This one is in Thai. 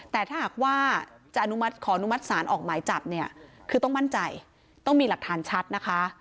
แต่ถ้าหากว่าจะอนุมัติขอนุมัติศาลออกหมายจับเนี่ยคือต้องมั่นใจต้องมีหลักฐานชัดนะคะ